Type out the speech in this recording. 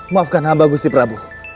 maafkan hamba gusti prabu